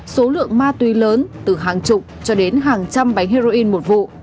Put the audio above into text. số lượng ma túy lớn từ hàng chục cho đến hàng trăm bánh heroin một vụ